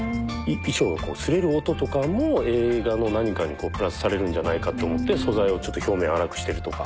衣装が擦れる音とかも映画の何かにこうプラスされるんじゃないかって思って素材をちょっと表面粗くしてるとか。